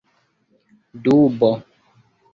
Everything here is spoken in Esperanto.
dubo